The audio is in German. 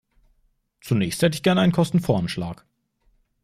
Zunächst hätte ich gerne einen Kostenvoranschlag.